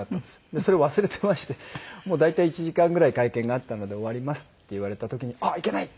それを忘れてましてもう大体１時間ぐらい会見があったので「終わります」って言われた時にあっいけない！と思って。